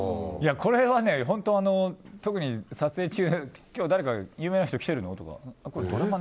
これはね、本当特に撮影中今日誰か有名な人来てるの？とかドラマ？